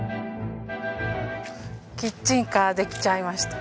キッチンカーできちゃいました。